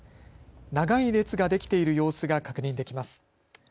長い列ができている様子が確認できます。